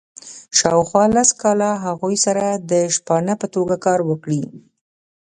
شاوخوا لس کاله هغوی سره د شپانه په توګه کار وکړي.